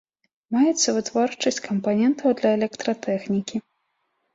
Маецца вытворчасць кампанентаў для электратэхнікі.